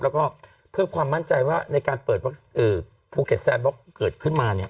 แล้วก็เพื่อความมั่นใจว่าในการเปิดภูเก็ตแซนบล็อกเกิดขึ้นมาเนี่ย